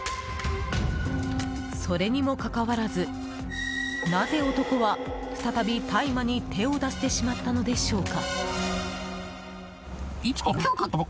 それにもかかわらずなぜ、男は再び大麻に手を出してしまったのでしょうか。